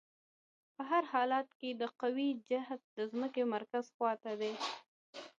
په هر حالت کې د قوې جهت د ځمکې د مرکز خواته دی.